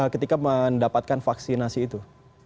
ketika mendapatkan vaksinasi itu